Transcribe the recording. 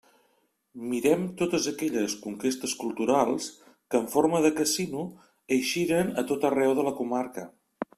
Mirem totes aquelles conquestes culturals que en forma de casino eixiren a tot arreu de la comarca.